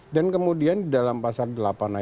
dan kemudian kemudian kemudian kemudian kemudian